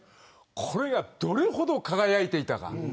これが、どれほど輝いていたか。